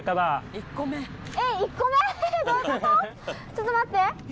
ちょっと待って。